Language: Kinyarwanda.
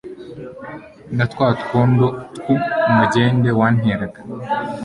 na twa twondo tw'umegende wanteraga